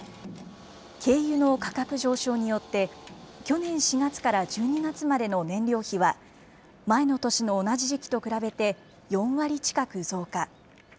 軽油の価格上昇によって、去年４月から１２月までの燃料費は、前の年の同じ時期と比べて４割近く増加。